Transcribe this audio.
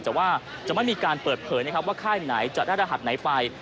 แต่ว่าจะไม่มีการเปิดเผยนะครับว่าค่ายไหนจะได้รหัสไหนไป